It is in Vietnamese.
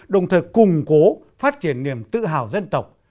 đồng thời củng cố phát triển niềm tự hào dân tộc